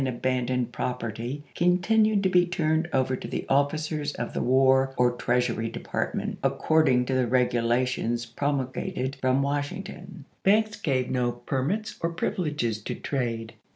abandoned property contintied to be turned over to the officers of the War or Treasmy Department, according to the regulations promulgated from Washington. Banks gave no permits or privileges to trade.